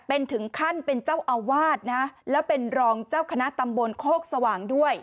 เป็นถึงขั้นเป็นเจ้าอาวาสนะแล้วเป็นรองเจ้าคณะตำบลโคกสว่างด้วย